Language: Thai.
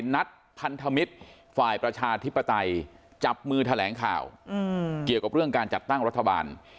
นัดพันธมิตรฝ่ายประชาธิปไตยจับมือแถลงข่าวเกี่ยวกับเรื่องการจัดตั้งรัฐบาล